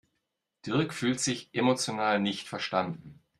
Dirk fühlt sich emotional nicht verstanden.